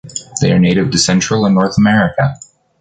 They are native to Central and North America.